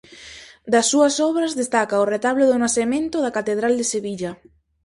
Das súas obras destaca o retablo do Nacemento da catedral de Sevilla.